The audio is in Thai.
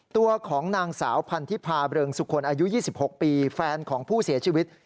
ตัวของนางสาวพันธิพาเริงสุคลอายุ๒๖ปีแฟนของผู้เสียชีวิต